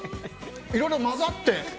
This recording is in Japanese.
いろいろ混ざって。